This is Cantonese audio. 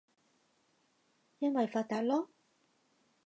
因爲發達囉